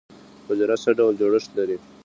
حجره څه ډول جوړښت لري؟